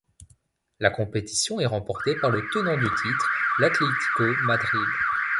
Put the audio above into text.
La compétition est remportée par le tenant du titre, l'Atlético Madrid.